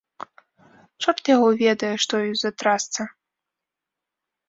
Чорт яе ведае, што ёй за трасца.